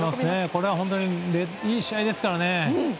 これは本当にいい試合ですからね。